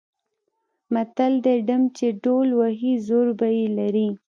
متل دی: ډم چې ډول وهي زور به یې لري.